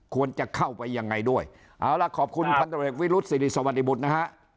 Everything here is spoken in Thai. ควรจะเข้าไปยังไงด้วยเอาล่ะขอบคุณพันธริกวิรุษศิริสวัสดิบุตรนะฮะ